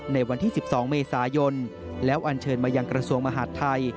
ในวันที่๑๒เมษายนแล้วอันเชิญมายังกระทรวงมหาดไทย